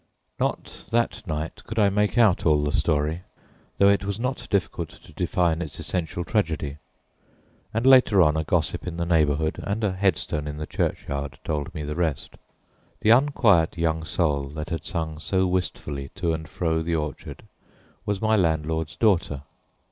Not that night could I make out all the story, though it was not difficult to define its essential tragedy, and later on a gossip in the neighborhood and a headstone in the churchyard told me the rest. The unquiet young soul that had sung so wistfully to and fro the orchard was my landlord's daughter.